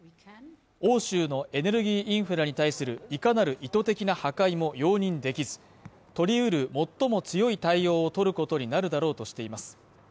欧州のエネルギーインフラに対するいかなる意図的な破壊も容認できずとりうる最も強い対応を取ることになるだろうとしています